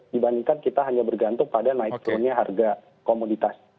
dibandingkan kita hanya bergantung pada naik turunnya harga komoditas